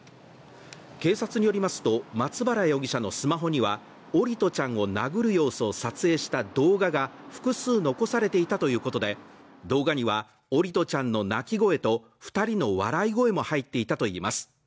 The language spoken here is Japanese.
警察によりますと、松原容疑者のスマホには桜利斗ちゃんを殴る様子を撮影した動画が複数残されていたということで、動画には桜利斗ちゃんの泣き声と２人の笑い声も入っていたといいます。